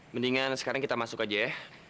mendingan sekarang kita masuk aja ya